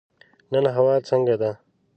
نن هوا څنګه ده؟